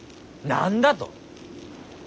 何だと。